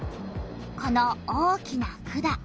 この大きな管。